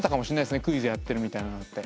クイズやってるみたいなのって。